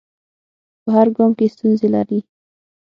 په هر ګام کې ستونزې لري.